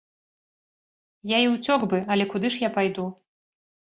Я і ўцёк бы, але куды ж я пайду?